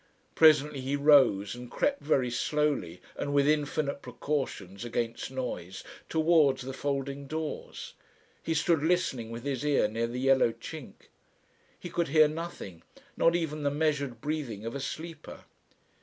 Presently he rose and crept very slowly, and with infinite precautions against noise, towards the folding doors. He stood listening with his ear near the yellow chink. He could hear nothing, not even the measured breathing of a sleeper.